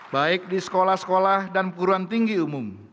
baik di sekolah sekolah dan perguruan tinggi umum